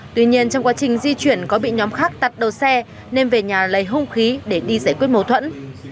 tuy nhiên trong quá trình di chuyển có bị nhóm khác tắt đầu xe nên về nhà lấy hung khí để đi giải quyết mâu thuẫn